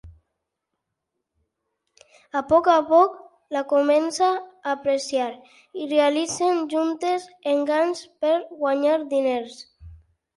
A poc a poc, la comença a apreciar, i realitzen juntes enganys per guanyar diners.